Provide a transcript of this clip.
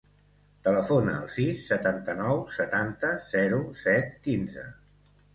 Telefona al sis, setanta-nou, setanta, zero, set, quinze.